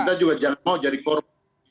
dan kita juga jangan mau jadi korban